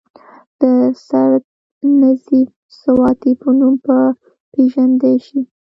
د سرنزېب سواتي پۀ نوم پ ېژندے شي،